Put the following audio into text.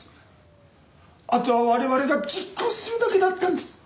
あとは我々が実行するだけだったんです！